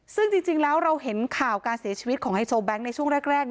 ซึ่งจริงแล้วเราเห็นข่าวการเสียชีวิตของไฮโซแบงค์ในช่วงแรก